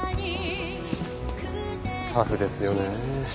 タフですよね。